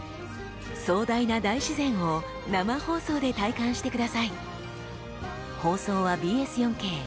壮大な大自然を生放送で体感してください。